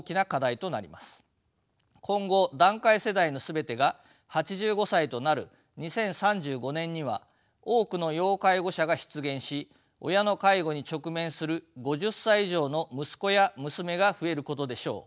今後団塊世代の全てが８５歳となる２０３５年には多くの要介護者が出現し親の介護に直面する５０歳以上の息子や娘が増えることでしょう。